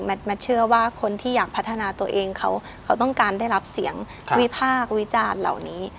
แมทเชื่อว่าคนที่อยากพัฒนาตัวเองเขาต้องการได้รับเสียงวิพากษ์วิจารณ์เหล่านี้